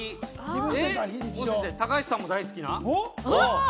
高橋さんも大好きな？